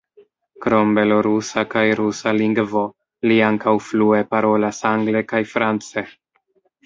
Krom belorusa kaj rusa lingvo, li ankaŭ flue parolas angle kaj france.